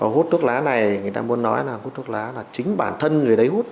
hút thuốc lá này người ta muốn nói là hút thuốc lá là chính bản thân người đấy hút